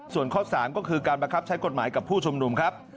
ส่วนข้อ๓ก็คือการบังคับใช้กฎหมายกับผู้ชุมนุมครับ